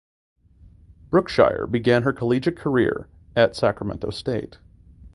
Brookshire began her collegiate career at Sacramento State.